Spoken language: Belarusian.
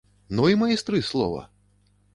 Ну і майстры слова!